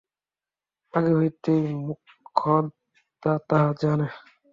আগে হইতেই মোক্ষদা তাহা জানে।